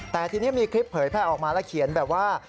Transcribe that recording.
แต่ทีนี้มีคลิปเผยแพร่ออกมาแล้วเขียนแบบว่า